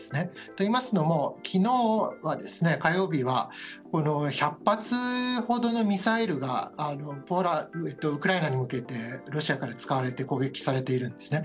と言いますのも昨日の火曜日は１００発ほどのミサイルがウクライナに向けてロシアから使われて攻撃されているんですね。